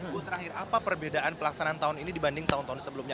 bu terakhir apa perbedaan pelaksanaan tahun ini dibanding tahun tahun sebelumnya